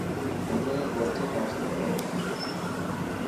ھني گڏجي ناشتو ڪيو